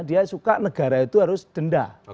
dia suka negara itu harus denda